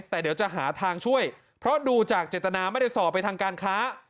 แต่เดี๋ยวจะหาทางช่วยเพราะดูจากเจตนาไม่ได้สอบไปทางการค้า